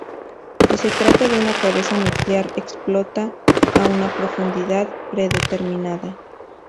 Si se trata de una cabeza nuclear, explota a una profundidad predeterminada.